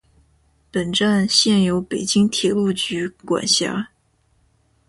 本站现由北京铁路局管辖。